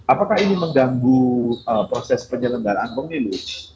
apakah ini mengganggu proses penyelenggaraan pemilu